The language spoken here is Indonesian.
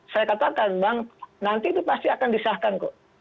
saya katakan bang nanti itu pasti akan disahkan kok